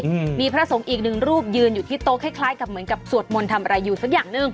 อืมมีพระสงฆ์อีกหนึ่งรูปยืนอยู่ที่โต๊ะคล้ายคล้ายกับเหมือนกับสวดมนต์ทำอะไรอยู่สักอย่างหนึ่ง